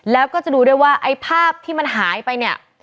แล้วก็จะดูด้วยว่าไอ้ภาพที่มันหายไปเนี่ย